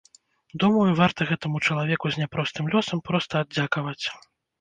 Думаю, варта гэтаму чалавеку з няпростым лёсам проста аддзякаваць.